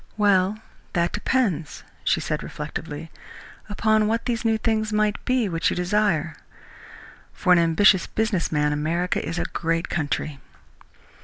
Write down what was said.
"Well, that depends," she said reflectively, "upon what these new things might be which you desire. For an ambitious business man America is a great country."